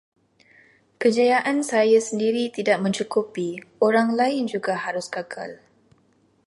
Kejayaan saya sendiri tidak mencukupi, orang lain juga harus gagal.